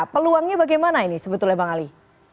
peluangnya bagaimana ini sebetulnya bang ali